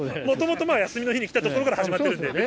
もともと休みの日に来たところから始まってるんで。